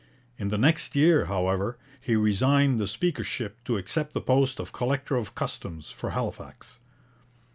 In the next year, however, he resigned the speakership to accept the post of collector of customs for Halifax.